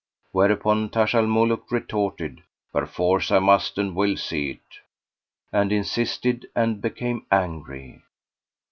Whereupon Taj al Muluk retorted, "Perforce I must and will see it;" and insisted and became angry.